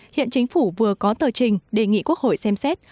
hiện chính phủ vừa có tờ trình đề nghị quốc hội xem xét